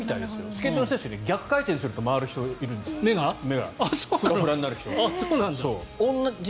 スケートの選手は逆回転すると目が回る人がいるんですって。